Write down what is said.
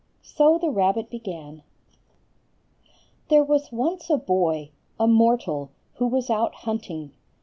So the rabbit began:— "There was once a boy, a mortal, who was out hunting.